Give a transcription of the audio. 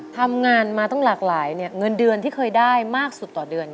ทำงานมาตั้งหลากหลายเนี่ยเงินเดือนที่เคยได้มากสุดต่อเดือน